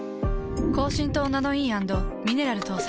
高浸透ナノイー＆ミネラル搭載。